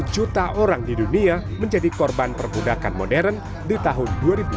dua puluh juta orang di dunia menjadi korban perbudakan modern di tahun dua ribu dua puluh